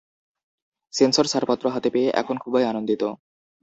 Sensor ছাড়পত্র হাতে পেয়ে এখন খুবই আনন্দিত।